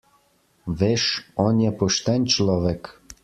Veš, on je pošten človek.